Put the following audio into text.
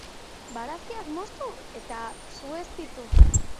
Barazkiak moztu eta sueztitu.